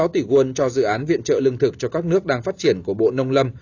bốn mươi sáu tỷ quân cho dự án viện trợ lương thực cho các nước đang phát triển của bộ nông lâm